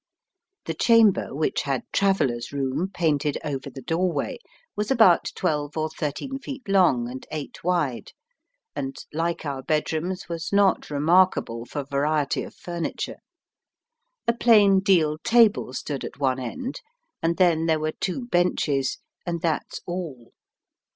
The chamber, which had "Travellers' Room" painted over the doorway, was about twelve or thirteen feet long and eight wide, and, like our bedrooms, was not remarkable for variety of furniture. A plain deal table stood at one end, and then there were two benches, and that's all.